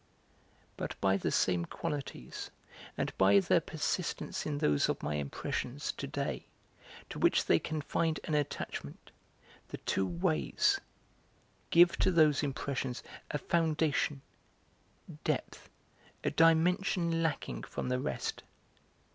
But by the same qualities, and by their persistence in those of my impressions, to day, to which they can find an attachment, the two 'ways' give to those impressions a foundation, depth, a dimension lacking from the rest.